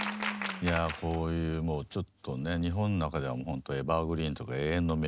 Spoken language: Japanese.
いやこういうもうちょっとね日本の中ではほんとエバーグリーンとか永遠の名曲をね